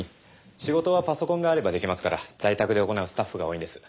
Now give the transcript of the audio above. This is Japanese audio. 仕事はパソコンがあれば出来ますから在宅で行うスタッフが多いんです。